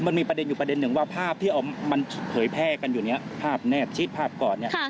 มันมีประเด็นอยู่ประเด็นหนึ่งว่าภาพที่มันเผยแพร่กันอยู่เนี่ยภาพแนบชิดภาพก่อนเนี่ย